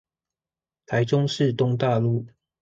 台中市東大路